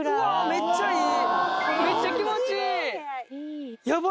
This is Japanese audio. めっちゃいい。